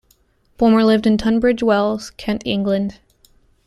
Bulmer lived in Tunbridge Wells, Kent, England.